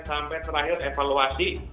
sampai terakhir evaluasi